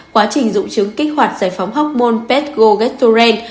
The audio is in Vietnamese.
quá trình dụng trứng kích hoạt giải phóng hóc môn pet g gesturant